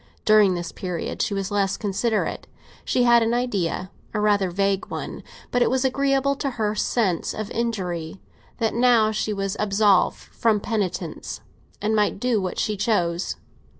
During this period she was less considerate; she had an idea—a rather vague one, but it was agreeable to her sense of injury—that now she was absolved from penance, and might do what she chose.